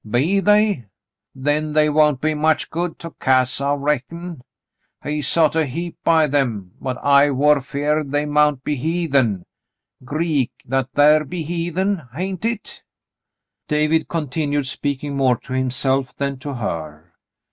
"Be they .f^ Then they won't be much good to Cass, I reckon. He sot a heap by them, but I war 'feared they mount be heathen. Greek — that thar be heathen. Hain't hit?" ^ David continued, speaking more to himself than to her.